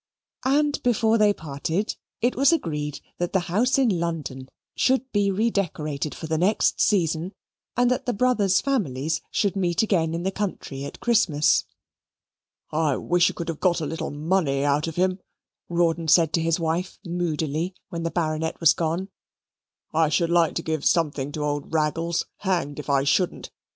And, before they parted, it was agreed that the house in London should be redecorated for the next season, and that the brothers' families should meet again in the country at Christmas. "I wish you could have got a little money out of him," Rawdon said to his wife moodily when the Baronet was gone. "I should like to give something to old Raggles, hanged if I shouldn't.